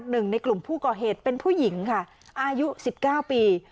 หนึ่งในกลุ่มผู้ก่อเหตุเป็นผู้หญิงค่ะอายุ๑๙ปี